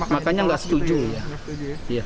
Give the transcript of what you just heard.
makanya nggak setuju ya